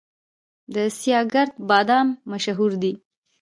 د سیاه ګرد بادام مشهور دي